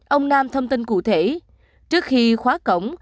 ông nam thông tin cụ thể trước khi khóa cổng